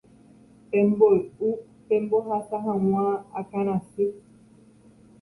pemboy'u pembohasa hag̃ua akãrasy